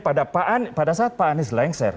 pada saat pak anies lengser